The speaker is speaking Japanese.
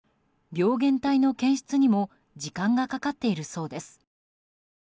病原体の検出にも時間がかかっているそうです。